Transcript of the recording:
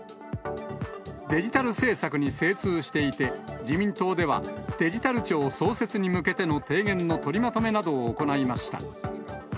デジタル政策に精通していて、自民党では、デジタル庁創設に向けての提言の取りまとめなどを行いました。